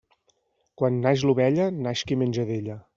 Quan naix l'ovella, naix qui menja d'ella.